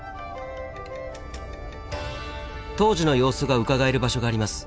当時の様子がうかがえる場所があります。